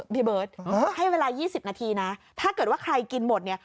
พี่เบิร์ตให้เวลา๒๐นาทีนะถ้าเกิดว่าใครกินหมดเนี่ย